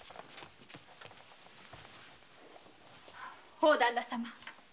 大旦那様。